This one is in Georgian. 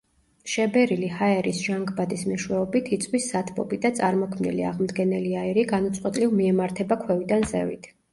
შებერილი ჰაერის ჟანგბადის მეშვეობით იწვის სათბობი და წარმოქმნილი აღმდგენელი აირი განუწყვეტლივ მიემართება ქვევიდან ზევით.